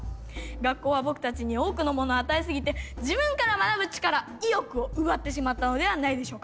学校は僕たちに多くのものを与えすぎて自分から学ぶ力意欲を奪ってしまったのではないでしょうか。